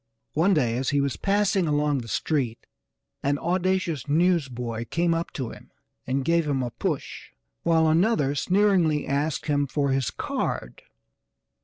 One day as he was passing along the street an audacious newsboy came up to him and gave him a push, while another sneeringly asked him for his card.